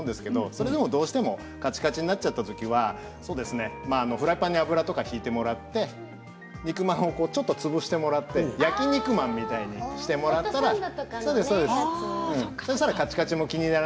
それでもどうしてもカチカチになってしまったらフライパンに油を引いてもらって肉まんを潰してもらって焼き肉まんのようにしてもらったらいいと思います。